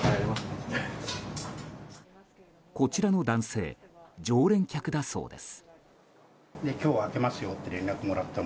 こちらの男性常連客だそうです。